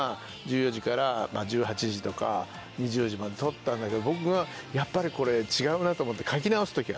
１４時から１８時とか２０時まで撮ったんだけど僕がやっぱりこれ違うなと思って。